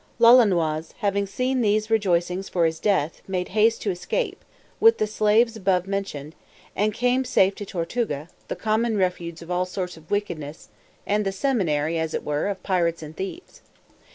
Lolonois, having seen these rejoicings for his death, made haste to escape, with the slaves above mentioned, and came safe to Tortuga, the common refuge of all sorts of wickedness, and the seminary, as it were, of pirates and thieves.